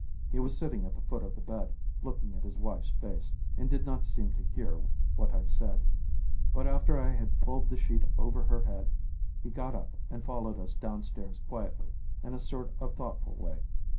He was sitting at the foot of the bed, looking at his wife's face, and did not seem to hear what I said; but after I had pulled the sheet over her head, he got up and followed us downstairs quietly, in a sort of thoughtful way.